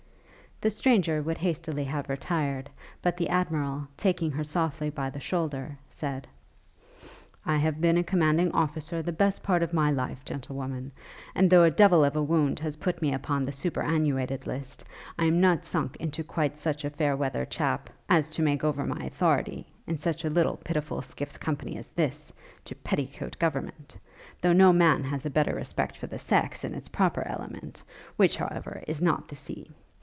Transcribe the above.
The stranger would hastily have retired, but the Admiral, taking her softly by the shoulder, said, 'I have been a commanding officer the best part of my life, Gentlewoman; and though a devil of a wound has put me upon the superannuated list, I am not sunk into quite such a fair weather chap, as to make over my authority, in such a little pitiful skiff's company as this, to petticoat government; though no man has a better respect for the sex, in its proper element; which, however, is not the sea.